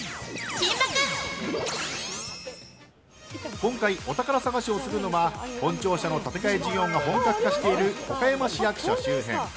今回、お宝探しをするのは本庁舎の建て替え事業が本格化している岡山市役所周辺。